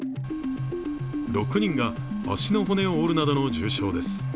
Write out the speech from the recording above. ６人が足の骨を折るなどの重傷です。